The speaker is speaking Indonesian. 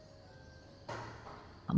minatnya mendirikan spbu